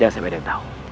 jangan sampai dia tahu